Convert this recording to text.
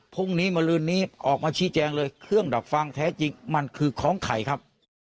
พรุ่งนี้มาลืนนี้ออกมาชี้แจงเลยเครื่องดักฟังแท้จริงมันคือของใครครับ